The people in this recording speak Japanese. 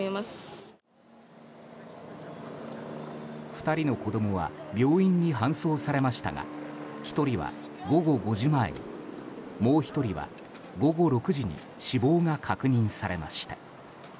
２人の子供は病院に搬送されましたが１人は午後５時前にもう１人は午後６時に死亡が確認されました。